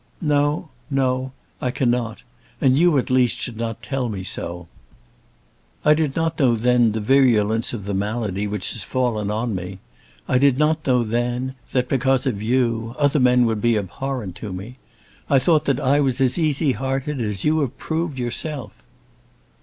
"No; no; I cannot. And you at least should not tell me so. I did not know then the virulence of the malady which had fallen on me. I did not know then that, because of you, other men would be abhorrent to me. I thought that I was as easy hearted as you have proved yourself."